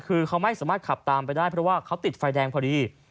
คือเขาไม่สามารถขับตามไปได้เพราะว่าเขาติดไฟแดงพอดี